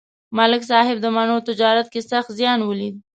ملک صاحب د مڼو تجارت کې سخت زیان ولید.